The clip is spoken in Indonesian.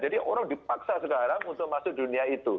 jadi orang dipaksa sekarang untuk masuk dunia itu